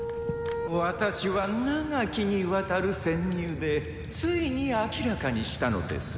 私は長きにわたる潜入でついに明らかにしたのです。